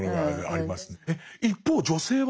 えっ？一方女性は？